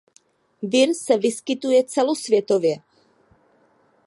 Vir se vyskytuje celosvětově.